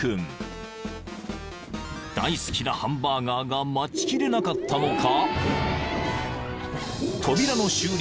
［大好きなハンバーガーが待ちきれなかったのか？］